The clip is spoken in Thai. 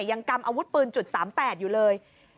ยังกำอาวุธปืนจุด๓๘อยู่เลย